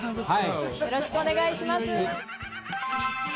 よろしくお願いします。